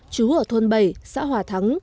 chú ở thôn bảy xã hòa thắng